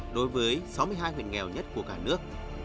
đối với sáu mươi hai huyện nghèo nhất của cả nước